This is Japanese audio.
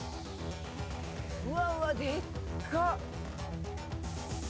「うわうわでっか！」